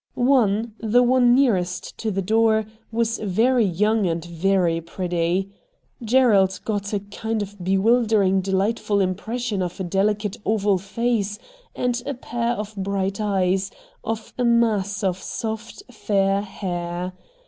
One, the one nearest to the door, was very young and very pretty. Gerald crot a kind of bewildering delightful impression of a delicate oval face, of a pair of bright eyes, of a mass of soft fair hair.